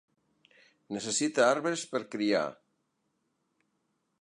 Necessita arbres per criar.